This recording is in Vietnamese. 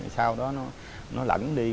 sau đó nó lẩn đi